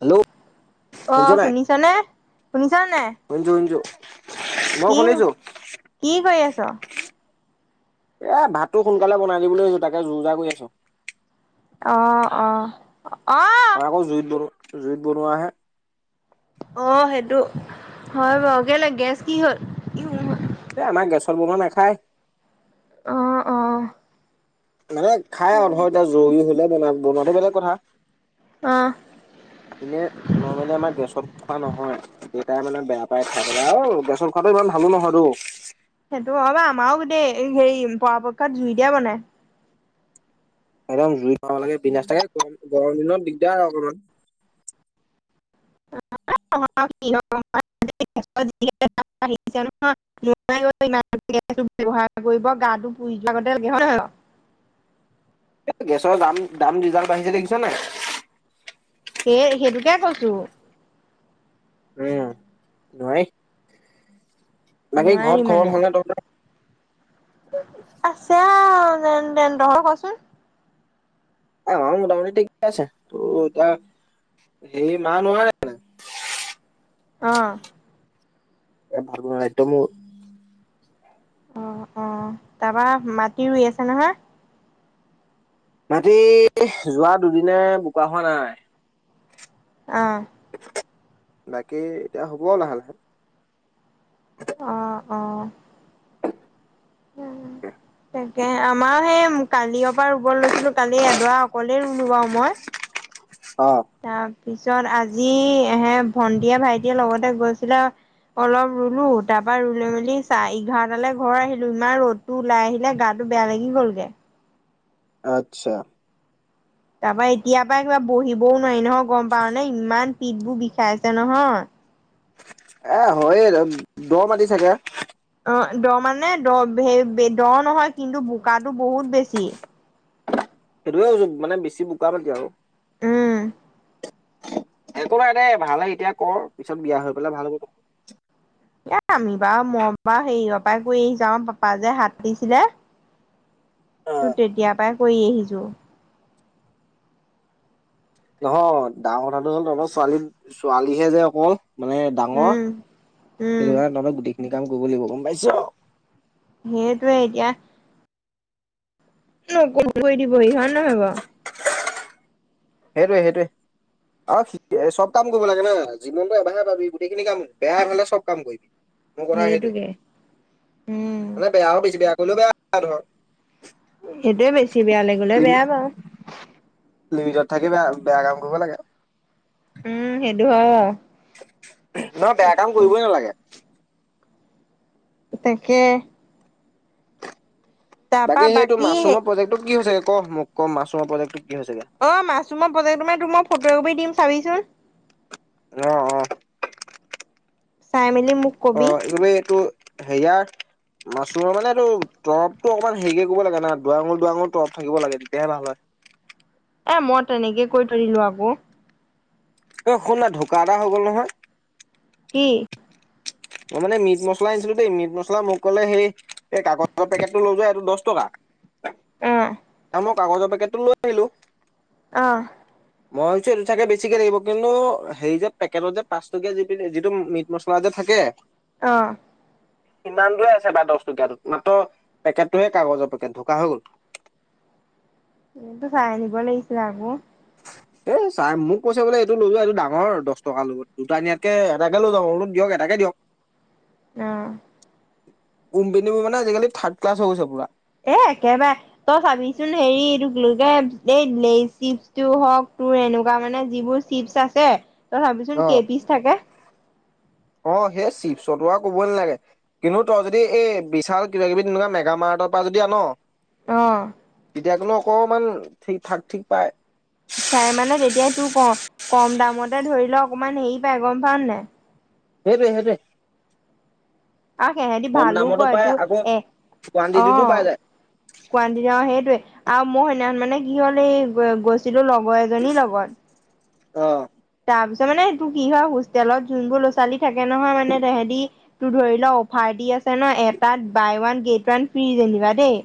Hello. অ শুনিছ নাই শুনিছা নে? শুনিছা নে নাই? শুনিছো শুনিছো। মই কি শুনিছো কি কৰি আছ? এ ভাতটো সোনকালে বনাই দিবলৈ তাকে যো যাৰ কৰি আছো। অঁ অঁ অঁহ। আমাৰ আকৌ জুইত বনো জুইত বনোৱাহে। অ সেইটো হয় বাৰু, কেলে গেছ কি হ'ল? এ আমাক গেছত বনোৱা নেখায়। অঁ অঁ। মানে খায় আৰু ধৰ এতিয়া জৰুৰী হলে বন বনোৱাটো বেলেগ কথা। অ এনে নৰ্মেলি আমাৰ গেছত খোৱা নহয়। দেউতাই মানে বেয়া পায় খাবলে আৰু গেছত খোৱাটো ইমান ভালো নহয়তো। সেইটো হয় বাও আমাৰো গোটেই হেৰি পৰাপক্ষত জুইতে বনাই। একদম জুই পাব লাগে [inaudible] গৰম গৰম দিনত দিগদাৰ আও অকমান। [unintelligible] [unintelligible] ব্যৱহাৰ কৰিব গাটো পুৰি যোৱা গতে লাগে, হয় নহয় বাও? এই গেছৰ দাম দাম যিডাল বাঢি়ছে দেখিছ নাই? এই সেইটোকে কৈছো। উম নোৱাৰি। বাকী নোৱাৰি ঘৰত মানে খবৰ ভাল নে তহঁতৰ? আছে আও যেন তেন, তহঁতৰ কচোন? আমাৰো মোটামুটি ঠিকে আছে ত এটিয়া হেই মা নোৱাৰে। অঁ। এ ভাত বনোৱা দায়িত্ব মোৰ। অ অ তাৰাপা মাটি ৰুই আছে নহয়? মাটি যোৱা দুদিনে বোকা হোৱা নাই। অহ। বাকী এতিয়া হ'ব লাহে লাহে। অঁ অঁ। [inaudible] তাকে আমাৰো সেই কালিয় পৰা ৰুব লৈছিলো কালি এডৰা অকলেই ৰুলো বাও মই। অহ। তাৰপিছত আজি হে ভন্টিয়ে ভাইটিয়ে লগতে গৈছিলে অলপ ৰুলো তাৰপা ৰুলে মেলি চা এঘাৰটালৈ ঘৰ আহিলো ইমান ৰ'দ- তোৰ লাই আহিলে গাটো বেয়া লাগি গ'লগে। আচ্ছা। তাৰ পৰা এতিয়াৰ পৰা কিবা বহিবও নোৱাৰি নহয় গম পাও নে ইমান পিঠবোৰ বিষাই আছে নহয়। এ হয়য়ে দ মাটি চাগে? অ দ মানে দ দ নহয় কিন্তু বোকাটো বহুত বেছি। সেইটোৱে কৈছো মানে বেছি বোকা মাটি আৰু। উম। একো নাই দেই ভালে এতিয়া কৰ পিছত বিয়া হৈ পেলাই ভাল হ'ব। এ আমি বাৰু মই বাৰু হেৰিৰ পৰা কৈ আহি যাওঁ পাপা যে হাতৰিছিলে। অ তোৰ তেতিয়াৰ পৰাই কৰি আহিছো। নহয় ডাঙৰ কথাটো হল তোমাৰ ছোৱালী ছোৱালীহে যে অকল মানে- ডাঙৰ, উম উম সেইটো কাৰণে তোমাক গোটেইখিনি কাম কৰিব লাগিব গম পাইছো। সেইটোৱে এতিয়া। [unintelligible] দিবহি হয় নহ'বও। সেইটোৱে সেইটোৱে। অ চব কাম কৰিব লাগে না জীৱনটো এবাৰহে পাবি গোটেইখিনি কাম বেয়াভালে চব কাম কৰিবি। [inaudible] মোৰ কথা সেইটোৱে, সেইটোকে মানে বেয়াও বেছি বেয়া কৰিলেও বেয়া ধৰ। সেইটোৱেয়ে বেছি বেয়ালে গ'লে লিমি বেয়া বাৰু। লিমিটত থাকি বেয়া বেয়া কাম কৰিব লাগে। উম সেইটো হয় বাওঁ। নহয় বেয়া কাম কৰিবই নালাগে। তাকে। বাকী সেইটো মাছৰুম প্ৰজেক্টটো কি হৈছোগে ক মোক ক মাছৰুমৰ প্ৰজেক্টো কি হৈ হৈছেগে? অ মাছৰুমৰ প্ৰজেক্টটো মানে তো মই ফটোকপি মাৰি দিম চাবিচোন। অ অ। চাই মেলি মোক- অ কবি এইকপি এইটো, হেৰিয়াৰ। মাছৰুমৰ মানে এইটো তৰপতো অকমান হেৰি কৰিব লাগে না দুৱা আঙুল দুৱা আঙুল তৰপ থাকিব লাগে তেতিয়াহে ভাল হয়। এ মই তেনেকে কৰি থৈ দিলো আকৌ। অই শুন না ঢুকা এটা হৈ গ'ল নহয়। কি? মই মানে মিট মছলা আনিছিলো দেই মিট মছলা মোক কলে সেই- এই কাগজৰ পেকেটটো লৈ যোৱা এইটো দচ টকা। অহ। আৰু মই কাগজৰ পেকেতটো লৈ আহিলো। আহ। [inaudible] মই ভাবিছোঁ এইটো চাগে বেছিকৈ থাকিব কিন্তু হেৰি যে পেকেটত যে পাঁচ টকীয়া যিনি যিটো মিট মছলা যে থাকে। অহ। সিমানটোৱে বা দচহ টকীয়াটোত মাত্ৰ পেকেটটোহে কাগজৰ পেকেট ঢুকা হৈ গ'ল। উম চাই আনিব লাগিছিল আকৌ। হয়। এ চাই মোক কৈছে বোলে এড্ৰীলইটো লৈ যোৱা এইটো ডাঙৰ দচ টকা লত দুটা এনিয়াতকে এটাকে লৈ যাওঁ সৰুটো দিয়ক এটাকে দিয়ক। [inaudible] এ কোম্পেনীও মানে আজিকালি থাৰ্ডক্লাচ হৈ গৈছে পুৰা এ একেবাই তই চাবিচোন হেৰি এইটো কি বুলি কয় এই লেইজ চিপচটো হওঁক তোৰ এনেকুৱা মানে যিবো চিপছ আছে তই চাবিচোন অ'। কেই পিচ থাকে অ সে চিপছৰটো আও কবই নালাগে কিন্তু তই যদি এই বিশাল কিবা কিবি তেনেকুৱা মেগামাৰ্টৰ পৰা যদি আন অহ তেতিয়া গলে অকণমান ঠিক থাক ঠিক পায় ঠাই মানে তেতিয়াই তো কম দামতে ধৰি লও অকমান হেৰি পাই গম পাওঁ নে নাই সেইটোৱে সেইটোয়ে আও সেহেতি কম ভালো দামতো কয় পায় তোৰ আকৌ অ কোৱানটিটিটো পাই যায় কুৱানটি আৰু সেইটোৱে আৰু মই সেদিনাখন মানে কি হ'ল এই গৈ গৈছিলো লগৰ এজনীৰ লগত অহ তাৰপিছত মানে এইটো কি হয় হোষ্টেলত যোনবোৰ ল'ৰা-ছোৱালী থাকে নহয় তেহেটি তোৰ ধৰি লও অফাৰ দি আছে ন এটাত buy one get one free যেনিবা দেই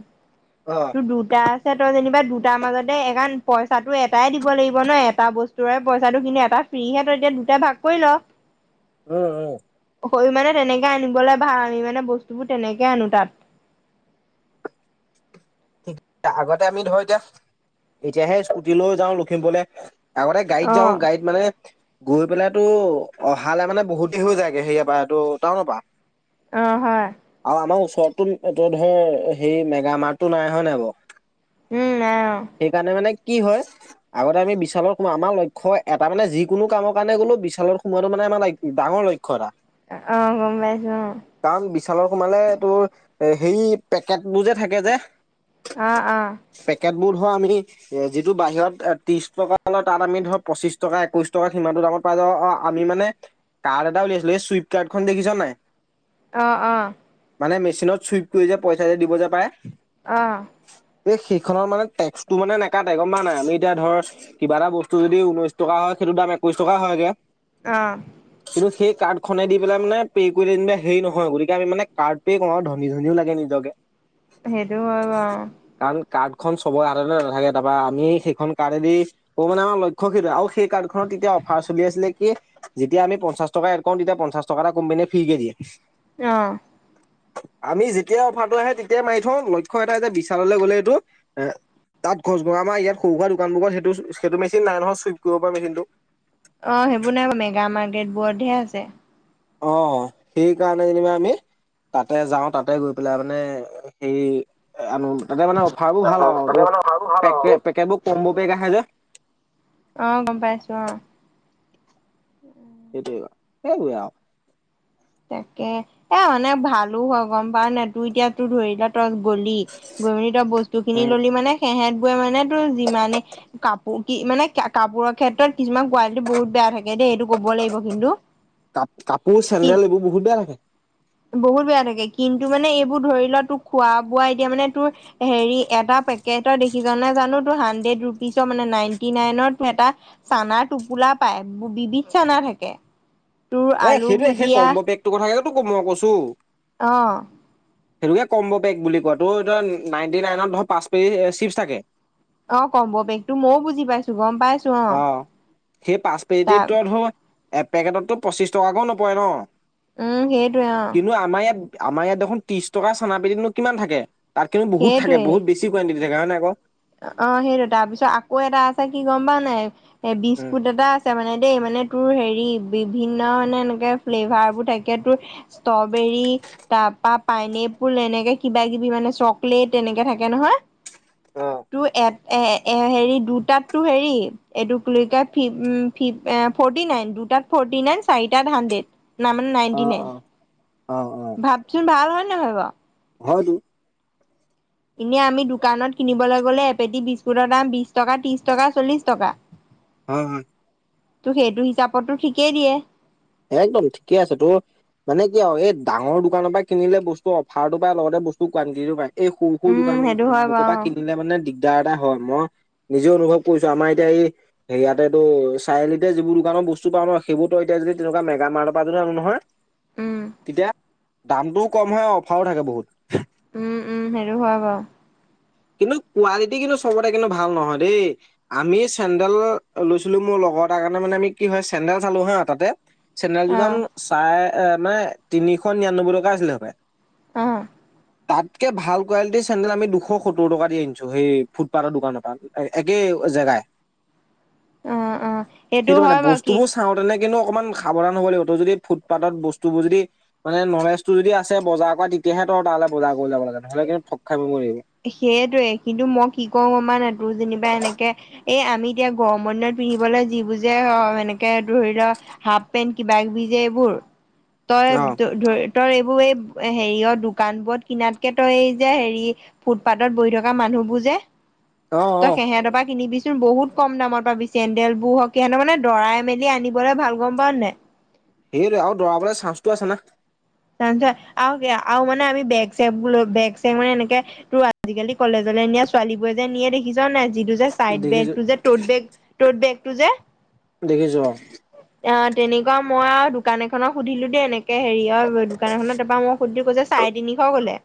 অহ তোৰ দুটা আছে তই যেনিবা দুটাৰ মাজতে একাণ পইচাটো এটাই দিব লাগিব ন এটা বস তৰে পইচাটো কিনি এবাৰ ফ্ৰীহে ঠৈ দিয়ে দুটাই ভাগ কৰি ল অ অ হয় মানে তেনেকে আনিবলৈ ভাড়া দি আমি মানে বস্তুবোৰ তেনেকে আনো তাত আগতে আমি ধৰ এতিয়া এতিয়াহে স্কুটি লৈ যাওঁ লখিমপুৰলে আগতে অ গড়িত যাওঁ গড়িত মানে গৈ পেলাই তো অহালে মানে বহুত দেৰি হৈ যায়গে সেৰিয়াৰ পৰা এইটো টাউনৰ পা অ হয় আৰু আমাৰ ওচৰতো এইটো ধৰ হেৰি মেগামাকটো নাই হয় নাই বাঅ উম নাই অ সেইকাৰণে মানে কি হয় আগতে আমি বিশালৰ সোমাও আমাৰ লক্ষ্য এটা মানে যিকোনো কামৰ কাৰণে গ'লো বিশালত সোমোৱাটো মানে আমাৰ ডাঙৰ লক্ষ ক্ষ্য এটা অ গম পাইছো অ কাৰণ বিশালৰ সোমালে এতোৰ হেই পেকেটবো যে থাকে যে আ আ পেকেটবোৰ ধ আমি এ যিটো বাহিৰত এ ত্ৰিশ টকা লয় তাত আমি ধৰ পঁচিশ টকা, একৈশ টকা সিমানটো দামত পোৱা যাৱ আমি মানে কাৰ্ড এটা উলিয়াইছিলো এই চুইপ কাৰ্ডখন দেখিছনে নাই অ অ মানে মেচিনত চুইপ কৰি যে পইচা যে দিব যে পায়ে অ এই সেইখনৰ মানে টেক্সটো মানে নেকাতে গম পাওঁ নাই আমি এতিয়া ধৰ কিবা এটা বস্তু যদি ঊনৈশ টকা হয়, সেইটো দাম একৈশ টকা হয়গে অ কিন্তু সেই কাৰ্ড খনে দি পেলাই মানে পে' কৰি যেনিবা হেৰি নহয় গতিকে আমি মানে কাৰ্ড পে কওঁ আৰু ধনী ধনীও লাগে নিজকে সেইটো হয় বাও কাৰণ কাৰ্ডখন চবৰে সাধাৰণতে নাথাকে তাৰাপৰা আমি সেইখন কাৰ্ডেদি ক মানে আমাৰ লক্ষ্য কি আৰু সেই কাৰ্ডখনত এতিয়া অফাৰ চলি আছিলে কি যেতিয়া আমি পঞ্চাশ টকা এড কৰো তেতিয়া পঞ্চাশ টকা এটা কো্পানীয়ে ফ্ৰী কে দিয়ে অ আমি যেতিয়াই অফাৰটো আহে তেতিয়াই মাৰি থওঁ ল এটা যে বিশাললৈ গ'লে এইটো এ তাত গছ ভঙা পা আমাৰ ইয়াত সৰু দোকানবোৰত সেইটো সেইটো মেচিন নাই নহয় চুইপ কৰিব পৰা মেচিনটো অ সেইবোৰ নাই মানে গ্ৰামা দেতবোৰতহে আছে অ সেই কাৰণে যেনিবা আমি তাতহে যাও তাতে গৈ পেলাই মানে সেই আনো তাতে মানে অফাৰবোৰ ভাল অ আৰু ত তাতে মানে অহাটো ভাল পেক আৰু। পেকেটবোৰ কম্ব পেক আহে যে অ গম পাই আছো অ সেইটোৱে সেইবোৰেই আৰু তাকে এ মানে ভালো হয় গম পাৱ নে তোৰ এতিয়া তোৰ দৰকাত ত গলি গৈ মেলি তই বস্তু উম, খিনি ললি মানে সেহতবোৰে মানে তোৰ যিমানে কাপোৰ কি মানে কাপোৰৰ ক্ষেত্ৰত কিছুমান কোৱালিটি বহুত বেয়া থাকে দেই এইটো ক'ব লাগিব কিন্তু কা কাপোৰ কি চেণ্ডেল এইবোৰ বহুত বেয়া থাকে বহুত বেয়া থাকে কিন্তু মানে এইবোৰ ধৰি লোৱা তোক খোৱা বোৱা এতিয়া মানে তোৰ হেৰি এটা পেকেটৰ দেখিছ নে জানো তো হাড্ৰেড ৰুপিচৰ মানে নাইনটি নাইন এটা চানা টোপোলা পায় বিবিধ চানা থাকে তোৰ এ আলু সেইটোৱে ভোজ সেই কম্ব পেকতটো কথাকেটো মই কৈছো অ সেইটোকে কম্ব পেক বুলি কোৱা তো এতিয়া নাইণ্টি নাইনত ধৰ পাঁচ কৰি চিপছ থাকে অ কম্ব পেকতো মইও বুজি পাইছো বাৰু গম পাইছো অ তাক এপেকেটত তো পঁচিশ টকাকৈ নপৰে ন উম সেইটোৱে অ কিন্তু আমাৰ ইয়াত আমাৰ ইয়াত দেখোন ত্ৰিছ টকা চানা পেকেটনো কিমান থাকে তাত কিন্তু বহুত থাকে সেইটোৱে বহু বেছি কুৱানটিটিত থাকে হয় নাই ক অ সেইটো তাৰ পিছত আকৌ এটা আছে কি গম পাও নাই উম বিস্কুট এটা আছে মানে দেই মানে তোৰ হেৰি বিভিন্ন মানে এনেকে ফ্লেভাৰ বোৰ থাকে তোৰ ষ্ট্ৰ'বেৰী তাপা পাইনে পোল এনেকে কিবা কিবি মানে চকলেট তেনেকে থাকে নহয় অ তো এ এ হেৰি দুটাততো হেৰি এইটোক লৈ ফিফ ফিফ ফৰ্টি নাইন দুটাত ফৰ্টি নাইন চাৰিটাত হাড্ৰেড নাই মানে অ নাইনটি নাইন অ অ ভাবচোন ভাল হয় নহয় বাৰু হয় টো এনে আমি দোকানত কিনিবলৈ গলে এপেটি বিস্কুটৰ দাম বিশ টকা ত্ৰিশ টকা চল্লিশ টকা হয় হয় তো সেইটো হিচাপতো ঠিকেই দিয়ে একদম ঠিকে আছে তোৰ মানে কিয় এই ডাঙৰ দোকানৰ পৰা কিনিলে বস্তু অফাৰটো পাই লগতে বস্তু কোৱালিটিও পায় এই সৰু সৰু উম দোকানৰ সেইটো হয় বোৰৰ পৰা বাৰু কিনিলে মানে দিগদাৰ এটা হয় মই নিজে অনুভৱ কৰিছো আমাৰ এতিয়া এই ইয়াতে তো চাৰিআলিতে যিবোৰ দোকানৰ বস্তু পাওঁ ন সেইবোৰতো এতিয়া যদি তেনেকুৱা মেগা মাৰ্ট পৰা যদি আনো নহয় উম তেতিয়া দামটোও কম হয় অফাৰো থাকে বহুত উম-উম! সেইটো হয় বাৰু [unintelligible] কিন্তু কোৱালিটি কিন্তু চবতে কিন্তু ভাল নহয় দেই। [inaudible] আমি চেন্দেল লৈছিলো মোৰ লগৰ তাৰ কাৰণে মানে আমি কি হয় চেন্দেল চালো হা তাতে। [inaudible] চেন্দেলযোৰ অ দাম চাই মানে তিনিশ নিৰান্নব্বৈ টকা আছিলে সপায়। [inaudible] অঁ। [inaudible] তাতকে ভাল কোৱালিটিৰ চেন্দেল আমি দুশ [unintelligible] সত্তৰ টকা দি আনিছো সেই ফুটপাথৰ দোকানৰ পৰা। একে জেগাই। [inaudible] অ অ সেইটো মানে হয় বাৰু কি বস্তুবোৰ [inaudible] চাওঁ তেনে কিন্তু অকণমান সাৱধান হ'ব লাগিব। ত‌ই যদি ফুটপাতত বস্তুবোৰ যদি [unintelligible] মানে নলেজটো যদি আছে বজাৰ কৰা তেতিয়াহে তই তালৈ বজাৰ কৰি লাব লাগে। নহ'লে কিন্তু থগ খাই মৰিবি। [inaudible] সেইটোৱেই কিন্তু মই কি কৰোঁ আমাৰ তোৰ যেনিবা এনেকে [unintelligible] এই আমি এতিয়া গৰমৰ দিনত পিন্ধিবলৈ যিবোৰ যে এনেকে ধৰি লোৱা [inaudible] হাফ পেণ্ট কিবাকিবি যে এইবোৰ তই [unintelligible] ধৰি তই এইবোৰ এই হেৰিয়ৰ দোকানবোৰত কিনাতকে তই এই যে হেৰি [inaudible] ফুটপাথত বহি থকা মানুহবোৰ যে অ অ তই অ সেহেঁতৰ পৰা কিনিবি চোন বহুত [inaudible] কম দামত পাবি চেণ্ডেলবোৰ হওক। সিহঁতৰ মানে দৰাই মেলি আনিবলৈ ভাল গ'ম পাওঁ নাই। [unintelligible] সেইটো আকৌ দৰাবলৈ চান্সটো আছে না। [inaudible] তাৰপিছত আৰু-আৰু মানে আমি বেগ-চেগবোৰ ল‌ওঁ। বেগ-চেগ মানে এনেকে [unintelligible] তোৰ আজিকালি কলেজলৈ নিয়া ছোৱালীবোৰে [inaudible] যে নিয়ে দেখিছো নে যিটো যে চাইট দেখিছো বেগটো যে তোত বেগ, তোত বেগটো যে [inaudible] দেখিছোঁ অঁ। [inaudible] অঁ তেনেকুৱা মই আৰু দোকান এখনক সুধিলো দেই এনেকে হেৰি আৰু [inaudible] দোকান এখনৰ তাৰপৰা মই সুধিলো কৈ যে চাৰে তিনিশ ক'লে।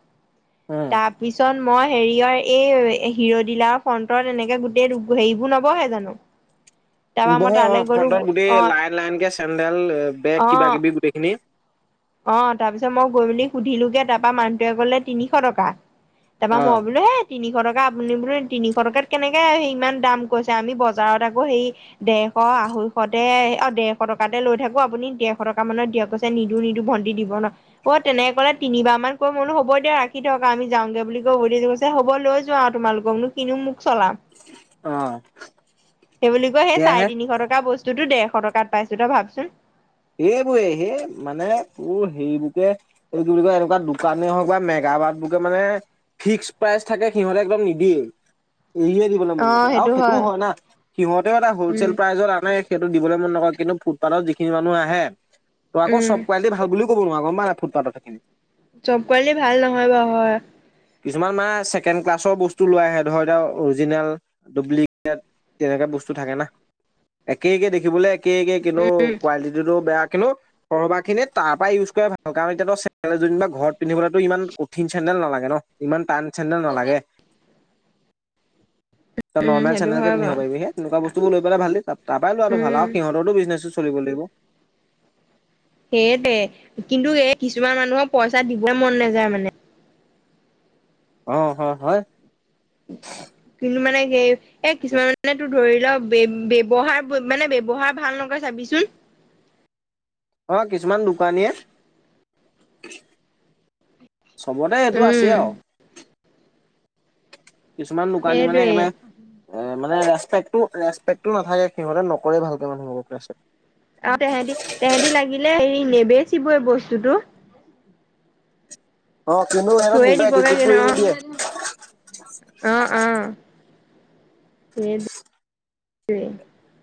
অ তাৰ [inaudible] পিছত মই হেৰিয়ৰ এই হিৰডিলা ফ্ৰণ্টত এনেকে গোটেই হেৰিবোৰ নবহে জানো? [inaudible] [inaudible] তাৰপা মই বহে অঁ। তালৈ গ'লো ফ্ৰণ্টত গোটেই অ লাইন-লাইনকে চেণ্ডেল, বেগ কিবাকিবি গোটেইখিনি [unintelligible] অঁ! তাৰপিছত মই সুধিলো গে তাৰ পৰা মানুহটোৱে ক'লে তিনিশ টকা। [inaudible] তাৰ অ মই বোলো সেইত [inaudible] তিনিশ টকা আপুনি বোলে তিনিশ টকাত কেনেকৈ সেই ইমান দাম কৈছে। আমি বজাৰত আকৌ হেৰি [unintelligible] ডেৰশ, আঢ়ৈশতে অ দেৰশ টকাতে লৈ থাকো। আপুনি ডেৰশ টকা মানত দিয়ক গৈছে নিদো-নিদ [inaudible] টো ভন্টি দিব না [inaudible] অ! তেনেকে কলে তিনিবাৰ মান কৈ বোলো হ'ব দিয়া ৰাখি থক আউ আমি যাওঁগে বুলি কৈ [inaudible] দে হ'ব লৈ যোৱা আৰু তোমালোকনো‌ [unintelligible] কিনো মুখ চলাম। অ সেই বুলি কয় সেই সেয়াহে চাৰে তিনিশ টকা বস্তু [unintelligible] ততো ডেৰশ টকাত পাইছো তই ভাব চোন। [unintelligible] এইবোৰে সেই মানে তোৰ হেৰিবোৰকে [inaudible] এইটো কি বোলে কয় এনেকুৱা দোকানেই হওক বা মেগা বাট বকে মানে [inaudible] ফিক্স প্ৰাইচ থাকে সিহঁতে একদম নিদিয়ে। এৰিয়ে দিব [unintelligible] অ মন নকৰে আৰু সেইটো সেইটোও হয় না সিহঁতেও এটা উম হ'লচেল প্ৰাইজত আনে। [inaudible] সেইটো দিবলৈ মন নকৰে কিন্তু ফুটপাথত যিখিনি মানুহ আহে। ত আকৌ উম চব কোৱালিটি ভাল বুলি [inaudible] ক'ব নোৱাৰ গম পাৱ নাই ফুত ফাটত থকাখিনি। [unintelligible] চব কোৱালিটি ভাল নহয় বাৰু হয়। [inaudible] কিছুমান মানে ছেকেণ্ড ক্লাছৰ বস্তু লৈ আহে ধৰ এতিয়া অৰিজিনেল, ডুপ্লিকেট [inaudible] তেনেকা বস্তু থাকে না। একে-একে দেখিবলৈ [unintelligible] একে-একে কিন্তু উম, কোৱালিটিটো বেয়া কিন্তু [inaudible] কৰবাখিনিত তাৰ পৰা ইউজ কৰা ভাল কাৰণ এতিয়াতো চেন্দেল জনিবা ঘৰত পিন্ধিবলৈতো ইমান কঠিন চেন্দেল নালাগে ন। ইমান টান চেন্দেল নালাগে। ত উম, নৰ্মেল সেইটো চেন্দেলকে হয় পিন্ধিব বাৰু পাৰি সেই তেনেকুৱা‌ বস্তু লৈ পেলাই ভাল তাৰ পৰা লৰাটো ভাল উম। আৰু সিহঁতৰটো বিজনেছ চলিব লাগিব। সেইটোৱে কিন্তু এই কিছুমান মানুহক পইচা দিবই মন নাযায় মানে। অ হয় হয়। কিন্তু মানে সেই এ তাকে কিছুমান মানে তোৰ ধৰি ল ব্য ব্যৱহাৰ প মানে ব্যৱহাৰ ভাল নকৰে চাবিচোন? অ কিছুমান দোকানীয়ে চবতে সেইটো আছে উম, আৰু। কিছুমান দোকানী মানে সেইটোৱে একেবাৰে এ মানে ৰেচপেক্টটো ৰেচপেক্টটো নাথাকে, সিহঁতে নকৰে ভালকে মানুহবোৰক ৰেচপেক। আৰু তেহেতি - তেহেতি লাগিলে হেৰি নেবেচিবই বস্তুটো। অ কিন্তু এই ধোৱে দিবগে [unintelligible] ন। অ অ, ধুৱে দি [inaudible]